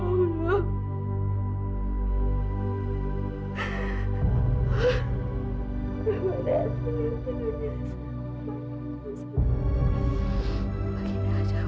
agar dia bisa menjadi ibu yang baik buat kami